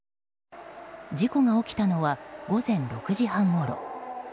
事故が起きたのは午前６時半ごろ。